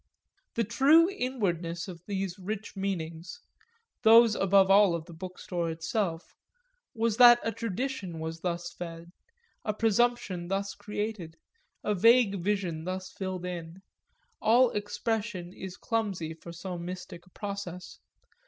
The true inwardness of these rich meanings those above all of the Bookstore itself was that a tradition was thus fed, a presumption thus created, a vague vision thus filled in: all expression is clumsy for so mystic a process.